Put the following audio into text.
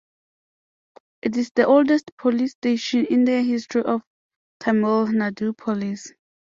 It is the oldest police station in the history of Tamil Nadu Police.